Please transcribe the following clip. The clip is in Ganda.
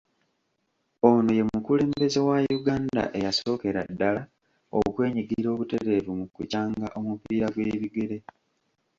Ono ye mukulembeze wa Uganda eyasookera ddala okwenyigira obutereevu mu kukyanga omupiira gw’ebigere?